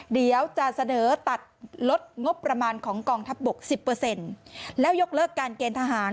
เดี๋ยวจะเสนอตัดลดงบประมาณของกองทัพบก๑๐แล้วยกเลิกการเกณฑ์ทหาร